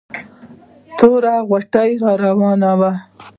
توره غوټه را راوانه وه.